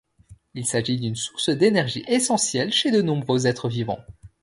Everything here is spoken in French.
Il s'agit d'une source d'énergie essentielle chez de nombreux êtres vivants.